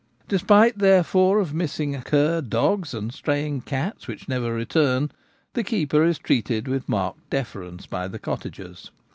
Despite therefore of missing cur dogs and straying cats which never return, the keeper is treated with marked deference by the cottagers.